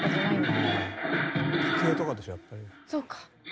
そうか。